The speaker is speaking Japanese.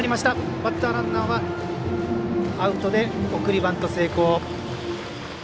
バッターランナーはアウトで送りバント成功。